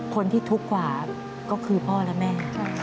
คนที่ทุกข์กว่าก็คือพ่อและแม่